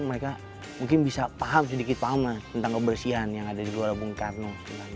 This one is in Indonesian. mereka mungkin bisa paham sedikit pahamnya tentang kebersihan yang ada di luar labung karno